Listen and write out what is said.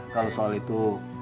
kalau soal itu